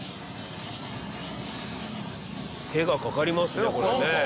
手がかかりますね